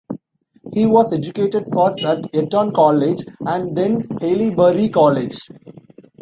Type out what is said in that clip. He was educated first at Eton College and then Haileybury College.